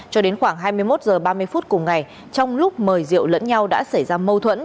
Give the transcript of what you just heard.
cho đến khoảng hai mươi một h ba mươi phút cùng ngày trong lúc mời diệu lẫn nhau đã xảy ra mâu thuẫn